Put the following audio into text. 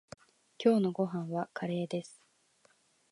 今日のご飯はカレーです。